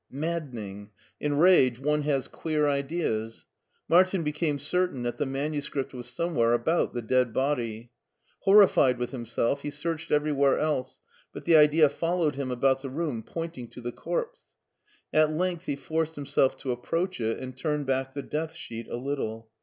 Maddening ! In rage one has queer ideas. Martin became certain that the manuscript was somewhere about the dead body. Horrified with himself, he searched ever3rwhere else, but the idea followed him about the roc«n, pointing to the corpse. At length he forced himself to approach it, and turned back the death sheet a little.